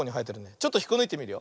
ちょっとひっこぬいてみるよ。